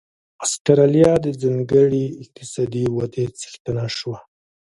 اسټرالیا د ځانګړې اقتصادي ودې څښتنه شوه.